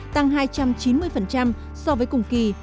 tăng hai trăm chín mươi so với cùng kỳ